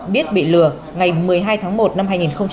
biết bị lừa ngày một mươi hai tháng một năm hai nghìn hai mươi